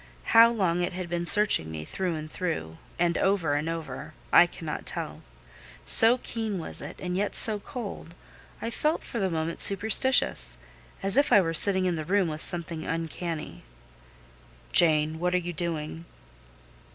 How long it had been searching me through and through, and over and over, I cannot tell: so keen was it, and yet so cold, I felt for the moment superstitious—as if I were sitting in the room with something uncanny. "Jane, what are you doing?"